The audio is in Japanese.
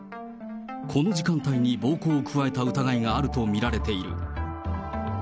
この時間帯に暴行を加えた疑いがあると見られている。